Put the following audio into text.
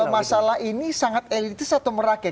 kalau masalah ini sangat elitis atau merakeh